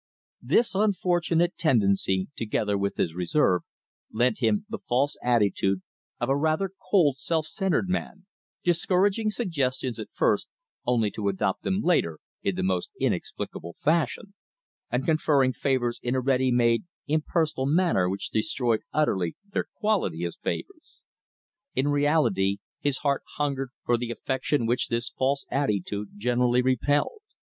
This unfortunate tendency, together with his reserve, lent him the false attitude of a rather cold, self centered man, discouraging suggestions at first only to adopt them later in the most inexplicable fashion, and conferring favors in a ready made impersonal manner which destroyed utterly their quality as favors. In reality his heart hungered for the affection which this false attitude generally repelled.